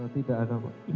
tidak ada pak